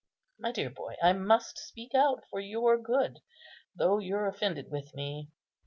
My dear boy, I must speak out for your good, though you're offended with me.